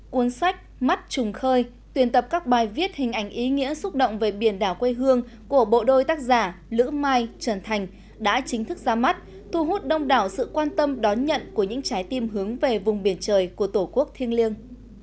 cuốn sách mắt trùng khơi tuyên tập các bài viết hình ảnh ý nghĩa xúc động về biển đảo quê hương của bộ đôi tác giả lữ mai trần thành đã chính thức ra mắt thu hút đông đảo sự quan tâm đón nhận của những trái tim hướng về vùng biển trời của tổ quốc thiên liêng